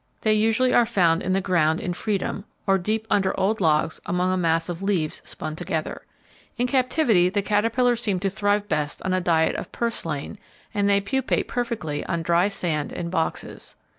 They usually are found in the ground in freedom, or deep under old logs among a mass of leaves spun together. In captivity the caterpillars seem to thrive best on a diet of purslane, and they pupate perfectly on dry sand in boxes.